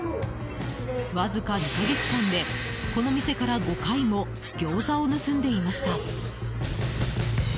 わずか２か月間で、この店から５回もギョーザを盗んでいました。